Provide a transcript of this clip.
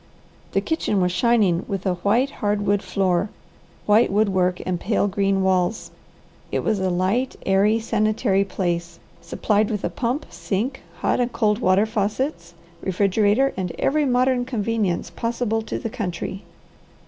The kitchen was shining with a white hard wood floor, white wood work, and pale green walls. It was a light, airy, sanitary place, supplied with a pump, sink, hot and cold water faucets, refrigerator, and every modern convenience possible to the country.